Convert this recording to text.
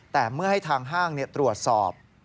แต่เมื่อให้ทางห้างตรวจสอบ